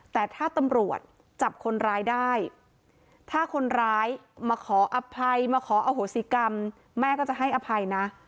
แต่ถ้าตำรวจจับคนร้ายได้ถ้าคนร้ายมาขออภัยมาขออโหสิกรรมแม่ก็จะให้อภัยนะ